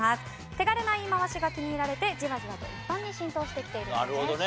手軽な言い回しが気に入られてじわじわと一般に浸透してきているそうです。